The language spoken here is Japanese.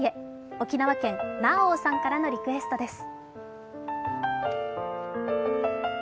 沖縄県、なーおーさんからのリクエストです。